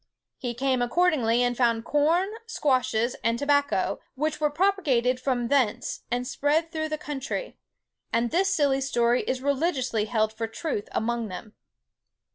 He came accordingly and found corn, squashes, and tobacco, which were propagated from thence, and spread through the country; and this silly story is religiously held for truth among them."